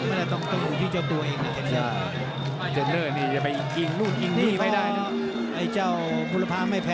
มายังต้องอยู่ที่จะตัวเองแน่บียังก็จะเยอกลับมาแต่อยากจะไปด้วยบ้างแหบ